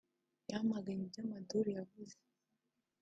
yamaganye ibyo Maduro yavuze